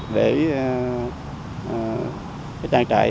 để trang trại